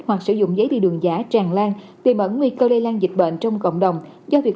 hoặc sử dụng giấy đường giả tràn lan tìm ẩn nguy cơ lây lan dịch bệnh trong cộng đồng do việc